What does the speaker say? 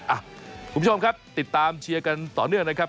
คุณผู้ชมครับติดตามเชียร์กันต่อเนื่องนะครับ